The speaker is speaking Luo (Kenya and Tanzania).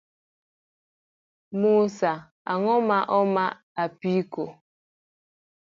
Musa ogo ma oma apiko